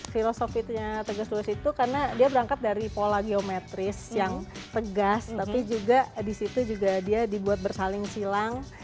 filosofinya tegas lulus itu karena dia berangkat dari pola geometris yang tegas tapi juga disitu juga dia dibuat bersaling silang